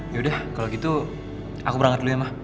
yaudah kalau gitu aku berangkat dulu ya mah